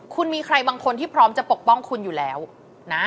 คุณมีใครบางคนที่พร้อมจะปกป้องคุณอยู่แล้วนะ